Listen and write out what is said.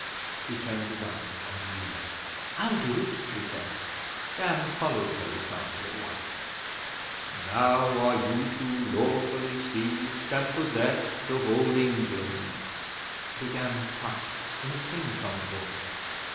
He turned his eyes on Una. 'I'll do it,' she said. Dan followed her example at once. 'Now are you two lawfully seized and possessed of all Old England,' began Puck, in a sing song voice.